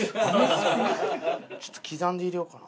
ちょっと刻んで入れようかな。